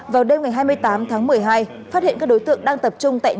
vào đêm ngày hai mươi tám tháng một mươi hai phát hiện các đối tượng đang tập trung